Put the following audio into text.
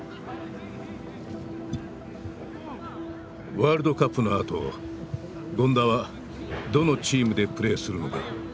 ワールドカップのあと権田はどのチームでプレーするのか？